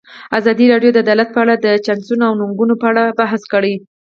ازادي راډیو د عدالت په اړه د چانسونو او ننګونو په اړه بحث کړی.